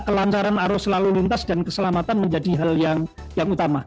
kelancaran arus lalu lintas dan keselamatan menjadi hal yang utama